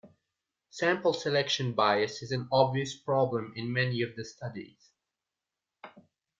Sample selection bias is an obvious problem in many of the studies.